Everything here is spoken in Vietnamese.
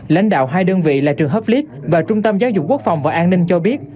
lãnh đạo hai đơn vị là trường hợp lý và trung tâm giáo dục quốc phòng và an ninh cho biết